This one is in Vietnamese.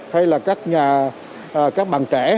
hay là các nhà các bạn trẻ